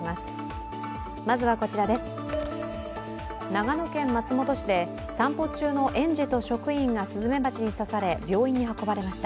長野県松本市で散歩中の園児と職員がスズメバチに刺され病院に運ばれました。